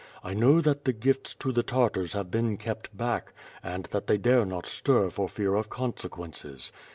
I know that the gifts to the Tartars have been kept back, and that they dare not stir for fear of consequences.